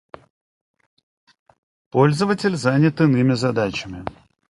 Пользователь занят иными задачами